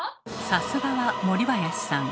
さすがは森林さん。